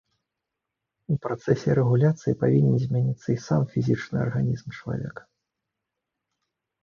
У працэсе рэгуляцыі павінен змяніцца і сам фізічны арганізм чалавека.